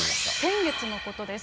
先月のことです。